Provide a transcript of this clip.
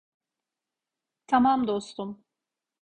Tamam dostum.